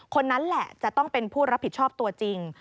คนนั้นแหละจะต้องเป็นผู้รับผิดชอบตัวจริง